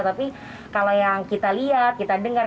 tapi kalau yang kita lihat kita dengar